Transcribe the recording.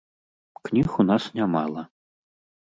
Кніг у нас нямала.